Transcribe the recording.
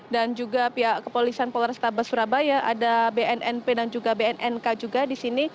dan juga pihak kepolisian polrestabes surabaya ada bnnp dan juga bnnk juga di sini